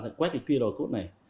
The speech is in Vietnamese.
bạn sẽ quét cái qr code này